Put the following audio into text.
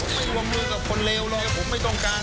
ไม่ว่ามือกับคนเลวหรอกผมไม่ต้องการ